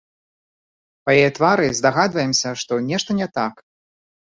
Па яе твары здагадваемся, што нешта не так.